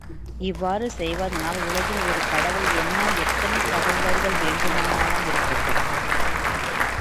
இவ் வாறு செய்வதானால், உலகில் ஒரு கடவுள் என்னஎத்தனை கடவுளர்கள் வேண்டுமானாலும் இருக்கட்டும்!